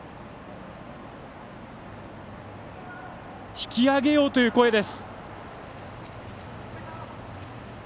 引き揚げようという声です。